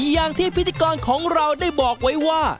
อย่างที่พิธีกรของเราได้บอกไว้ว่า